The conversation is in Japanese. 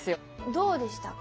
どうでしたか？